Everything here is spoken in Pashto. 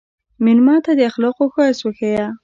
مېلمه ته د اخلاقو ښایست وښیه.